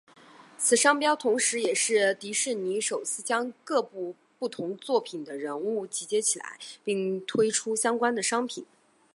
此商标同时也是迪士尼首次将各部不同作品的人物集结起来并推出相关的商品。